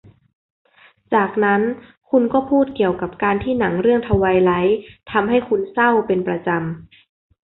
จากนั้นคุณก็พูดเกี่ยวกับการที่หนังเรื่องทไวไลท์ทำให้คุณเศร้าเป็นประจำ